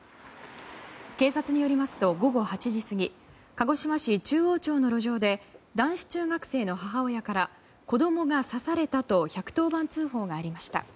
警察によりますと午後８時過ぎ鹿児島市中央町の路上で男子中学生の母親から子供が刺されたと１１０番通報がありました。